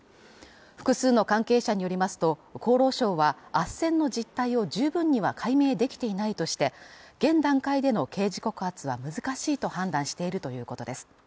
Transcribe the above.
複数の関係者によりますと厚労省はあっせんの実態を十分には解明できていないとして現段階での刑事告発は難しいと判断しているということです